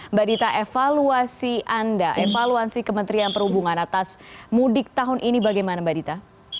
mbak dita evaluasi anda evaluasi kementerian perhubungan atas mudik tahun ini bagaimana mbak dita